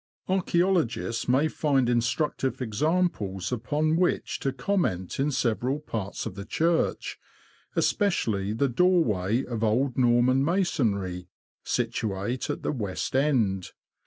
Archaeologists may find instructive examples upon which to comment in several parts of the church, especially the doorway, of old Norman masonry, situate at the west end.